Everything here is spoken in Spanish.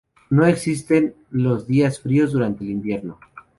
No existen los días fríos durante el invierno.